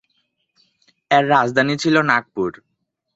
এর রাজধানী ছিল নাগপুর।